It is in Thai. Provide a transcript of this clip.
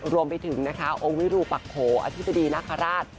รวมไปถึงนะคะองค์วิรูปักโขออธิบดีนาคาราช